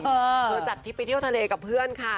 เธอจัดทริปไปเที่ยวทะเลกับเพื่อนค่ะ